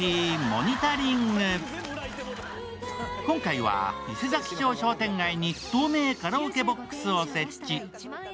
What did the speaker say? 今回は伊勢佐木町商店街に透明カラオケボックスを設置。